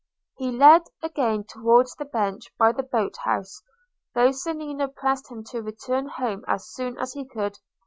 He led again towards the bench by the boat house, though Selina pressed him to return home as soon as he could.